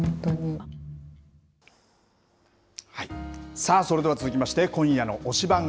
さあ、それでは続きまして、今夜の推しバン！